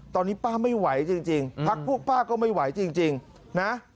ตอนนี้ป้าไม่ไหวจริงพักพวกป้าก็ไม่ไหวจริงนะ